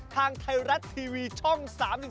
ทางไทยรัฐทีวีช่อง๓๒